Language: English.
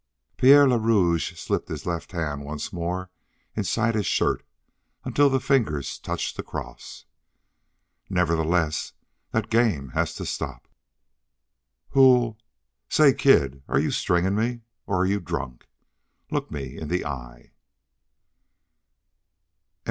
Pierre le Rouge slipped his left hand once more inside his shirt until the fingers touched the cross. "Nevertheless, that game has to stop." "Who'll say, kid, are you stringin' me, or are you drunk? Look me in the eye!"